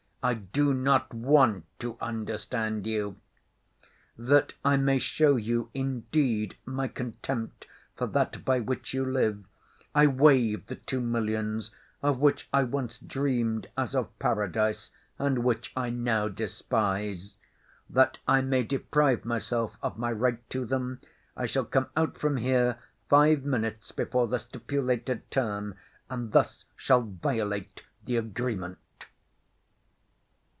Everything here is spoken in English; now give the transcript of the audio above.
I do not want to understand you. "That I may show you in deed my contempt for that by which you live, I waive the two millions of which I once dreamed as of paradise, and which I now despise. That I may deprive myself of my right to them, I shall come out from here five minutes before the stipulated term, and thus shall violate the agreement."